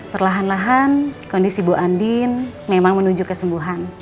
perlahan lahan kondisi bu andin memang menuju kesembuhan